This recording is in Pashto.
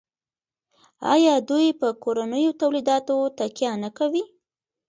آیا دوی په کورنیو تولیداتو تکیه نه کوي؟